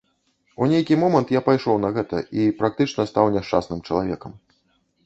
У нейкі момант я пайшоў на гэта і практычна стаў няшчасным чалавекам.